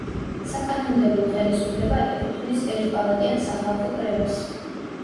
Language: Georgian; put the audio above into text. საკანონმდებლო ხელისუფლება ეკუთვნის ერთპალატიან სახალხო კრებას.